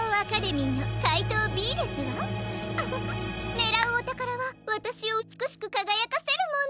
ねらうおたからはわたしをうつくしくかがやかせるもの。